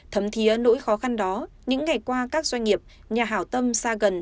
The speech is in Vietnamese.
thấm thiế nỗi khó khăn đó những ngày qua các doanh nghiệp nhà hảo tâm xa gần